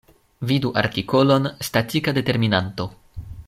Vidu artikolon: statika determinanto.